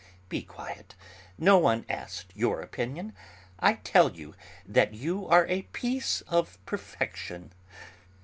Be quiet; no one asked your opinion. I tell you that you are a piece of perfection."